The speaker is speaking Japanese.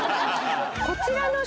こちらの。